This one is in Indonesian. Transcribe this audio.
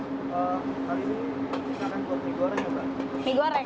hari ini kita akan buat mie goreng